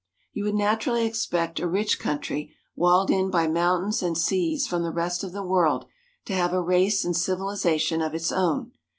You would naturally expect a rich country, walled in by mountains and seas from the rest of the world, to have a race and civilization of its own.